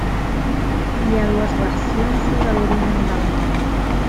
Hi ha dues versions sobre l'origen del nom.